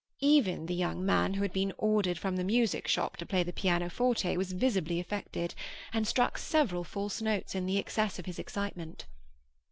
Even the young man who had been ordered from the music shop to play the pianoforte was visibly affected, and struck several false notes in the excess of his excitement.